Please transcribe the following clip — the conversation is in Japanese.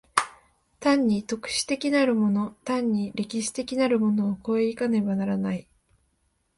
単に特殊的なるもの単に歴史的なるものを越え行かねばならない。